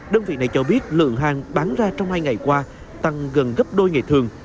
đơn vị này cho biết lượng hàng bán ra trong hai ngày qua tăng gần gấp đôi ngày thường